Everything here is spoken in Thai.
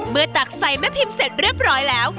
ตักใส่แม่พิมพ์เสร็จเรียบร้อยแล้ว